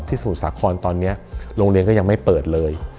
สมุทรสาครตอนนี้โรงเรียนก็ยังไม่เปิดเลย